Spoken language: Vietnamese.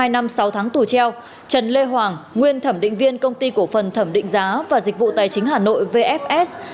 một mươi năm sáu tháng tù treo trần lê hoàng nguyên thẩm định viên công ty cổ phần thẩm định giá và dịch vụ tài chính hà nội vfs